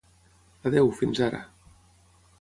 Adeu, fins ara.